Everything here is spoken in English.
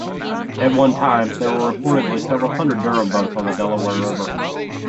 At one time, there were reportedly several hundred Durham boats on the Delaware River.